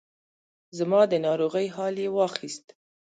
زما د ناروغۍ حال یې واخیست.